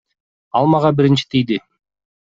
Ал мага биринчи тийди.